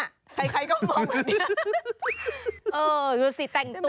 ใครก็มองแบบนี้